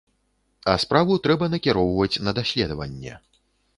А справу трэба накіроўваць на даследаванне.